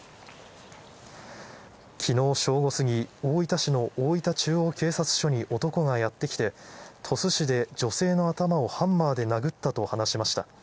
きのう正午過ぎ、大分市の大分中央警察署に男がやって来て、鳥栖市で女性の頭をハンマーで殴ったと話しました。